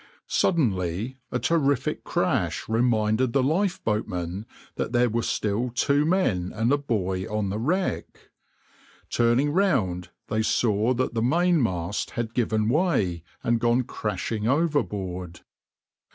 \par Suddenly a terrific crash reminded the lifeboatmen that there were still two men and a boy on the wreck. Turning round they saw that the mainmast had given way and gone crashing overboard.